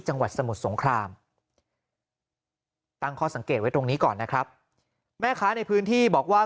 จังหวัดสมุทรสงครามตั้งข้อสังเกตไว้ตรงนี้ก่อนนะครับแม่ค้าในพื้นที่บอกว่า